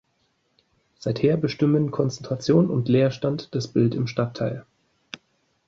Seither bestimmen Konzentration und Leerstand das Bild im Stadtteil.